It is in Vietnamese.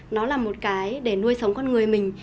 nó là một cái để nuôi sống con người mình